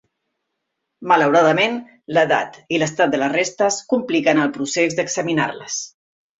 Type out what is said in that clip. Malauradament, l'edat i l'estat de les restes compliquen el procés d'examinar-les.